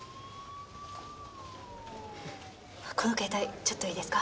この携帯ちょっといいですか？